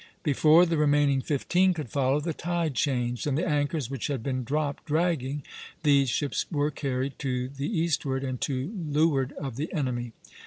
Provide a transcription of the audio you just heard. Before the remaining fifteen could follow, the tide changed; and the anchors which had been dropped dragging, these ships were carried to the eastward and to leeward of the enemy.